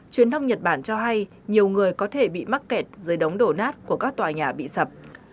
truyền thông nhật bản cho hay nhiều người có thể bị mắc kẹt dưới đống đổ nát của các tòa nhà bị sập